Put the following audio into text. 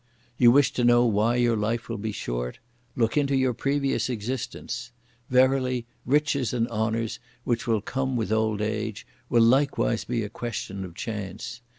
You wish to know why your life will be short; look into your previous existence! Verily, riches and honours, which will come with old age, will likewise be a question of chance!